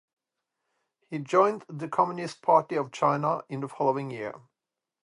He joined the Communist Party of China in the following year.